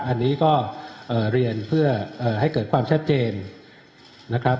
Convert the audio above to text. อันนี้ก็เรียนเพื่อให้เกิดความชัดเจนนะครับ